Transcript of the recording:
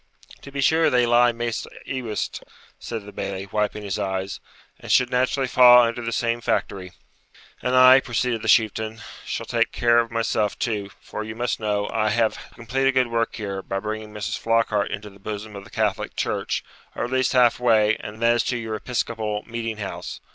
'To be sure, they lie maist ewest,' said the Bailie, wiping his eyes, 'and should naturally fa' under the same factory.' 'And I,' proceeded the Chieftain,'shall take care of myself, too; for you must know, I have to complete a good work here, by bringing Mrs. Flockhart into the bosom of the Catholic church, or at least half way, and that is to your Episcopal meeting house.